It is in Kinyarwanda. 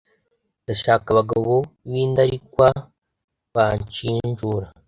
ndashaka abagabo b’indarikwa banshinjura